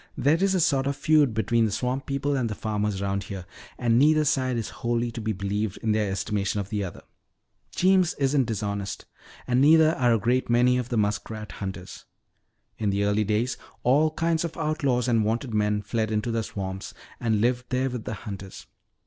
"There is a sort of feud between the swamp people and the farmers around here. And neither side is wholly to be believed in their estimation of the other. Jeems isn't dishonest, and neither are a great many of the muskrat hunters. In the early days all kinds of outlaws and wanted men fled into the swamps and lived there with the hunters.